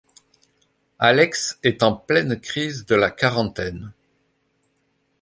Alex est en pleine crise de la quarantaine.